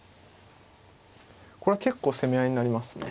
これは結構攻め合いになりますね。